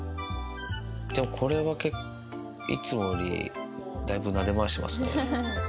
でもこれはいつもより、だいぶ、なで回してますね。